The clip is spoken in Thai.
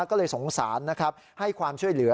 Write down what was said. ก็เลยสงสารนะครับให้ความช่วยเหลือ